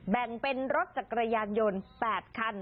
แบ่งเป็นรถจักรยานยนต์๘คัน